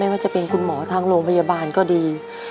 ว่าจะเป็นคุณหมอทางโรงพยาบาลก็ดี